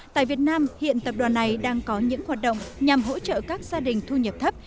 tại việt nam hiện tập đoàn này đang có những hoạt động nhằm hỗ trợ các gia đình thu nhập thấp